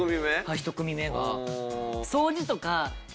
１組目が。